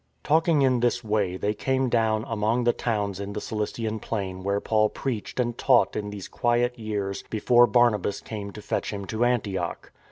Talking in this way they came down among the towns in the Cilician plain where Paul preached and taught in these quiet years before Barnabas came to fetch him to Antioch.